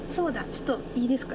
ちょっといいですか？